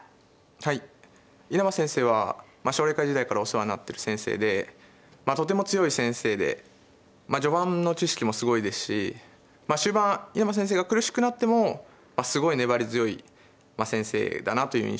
はい稲葉先生は奨励会時代からお世話になってる先生でとても強い先生で序盤の知識もすごいですしまあ終盤稲葉先生が苦しくなってもすごい粘り強い先生だなという印象です。